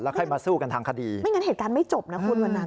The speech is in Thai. ค่อยมาสู้กันทางคดีไม่งั้นเหตุการณ์ไม่จบนะคุณวันนั้น